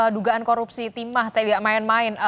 dugaan korupsi timah tidak main main